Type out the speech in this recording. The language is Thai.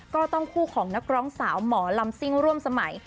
ก็ต้องคู่ของนักร้องสาวหมอลำซิ่งร่วมสมัย